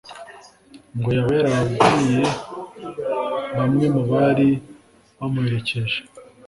ngo yaba yarabibwiye bamwe mu bari bamuherekeje.